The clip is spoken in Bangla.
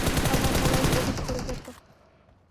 আল্লাহ্ তাআলাই অধিক পরিজ্ঞাত।